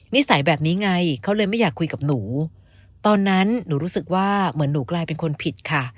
สัยแบบนี้ไงเขาเลยไม่อยากคุยกับหนูตอนนั้นหนูรู้สึกว่าเหมือนหนูกลายเป็นคนผิดค่ะ